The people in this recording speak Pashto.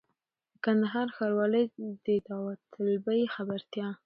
د کندهار ښاروالۍ د داوطلبۍ خبرتیا!